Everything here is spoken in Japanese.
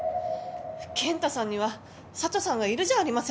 健太さんには佐都さんがいるじゃありませんか。